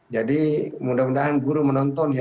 jadi mudah mudahan guru menonton